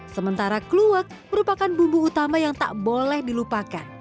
sementara kluwak merupakan bumbu utama yang tak boleh dilupakan